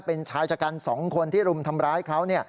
เป็นชายจากรรมสองคนที่รุมทำร้ายเขา